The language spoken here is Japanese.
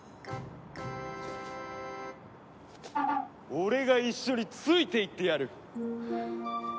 俺が一緒についていってやる！